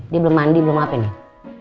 dia belum mandi belum apa nih